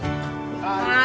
はい。